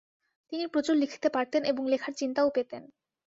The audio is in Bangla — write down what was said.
তিনি প্রচুর লিখতে পারতেন এবং লেখার চিন্তাও পেতেন।